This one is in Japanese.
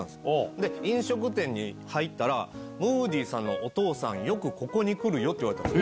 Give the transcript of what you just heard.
で、飲食店に入ったら、ムーディさんのお父さん、よくここに来るよって言われたんです。